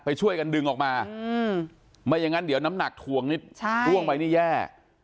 ช่วยกันดึงออกมาไม่อย่างนั้นเดี๋ยวน้ำหนักถวงนิดร่วงไปนี่แย่